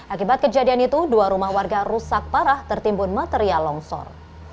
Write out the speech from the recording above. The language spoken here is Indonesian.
akibat kejadian itu dua rumah warga rusak parah tertimbun material longsor